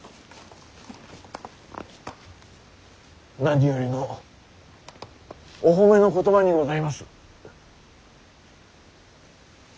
何よりのお褒めの言葉にございます。